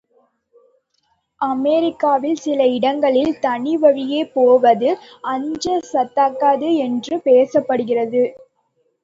அமெரிக்காவில் சில இடங்களில் தனி வழியே போவது அஞ்சத்தக்கது என்று பேசப்படுகிறது.